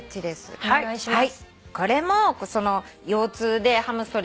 お願いします。